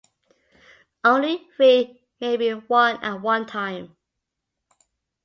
Only three may be worn at one time.